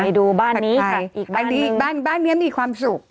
ไปดูบ้านนี้อีกบ้านนึงบ้านนี้มีความสุข